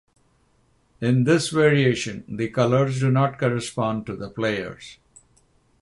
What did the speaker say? In this variation the colours do not correspond to the players.